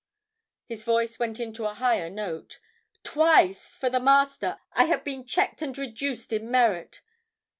His voice went into a higher note. "Twice, for the Master, I have been checked and reduced in merit.